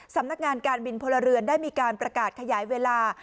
สำนักงานการบินพลเรือนได้มีการประกาศขยายเวลา